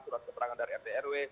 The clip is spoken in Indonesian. surat keterangan dari rt rw